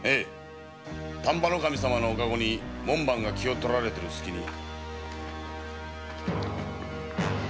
丹波守様のおカゴに門番が気を取られているスキに。